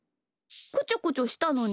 こちょこちょしたのに？